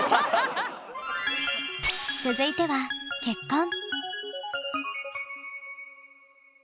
続いては結婚。